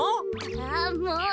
あもう！